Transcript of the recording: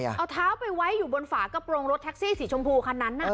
เอาเท้าไปไว้อยู่บนฝากระโปรงรถแท็กซี่สีชมพูคันนั้น